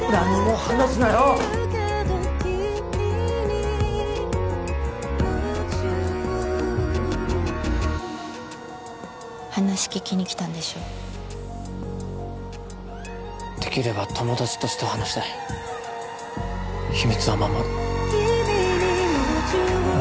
話聞きに来たんでしょできれば友達として話したい秘密は守る